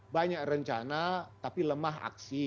banyak rencana tapi lemah aksi